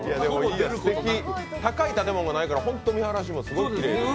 高い建物がないから見晴らしもすごいきれいですね。